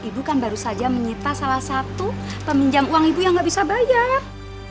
ibu kan baru saja menyita salah satu peminjam uang ibu yang nggak bisa bayar